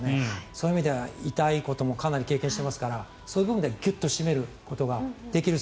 そういう意味では痛いこともかなり経験していますからそういう部分でキュッと締めることができる